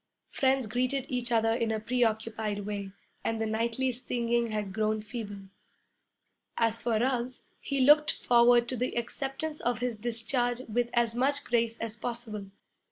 Friends greeted each other in a preoccupied way, and the nightly singing had grown feeble. As for Ruggs, he looked forward to the acceptance of his discharge with as much grace as possible.